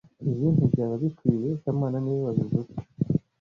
Ibi ntibyaba bikwiye kamana niwe wabivuze